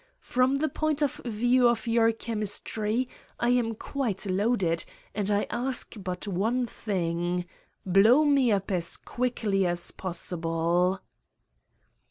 From the point of view of your chemistry, I am quite loaded and I ask but one thing: blow me up as quickly as possible!"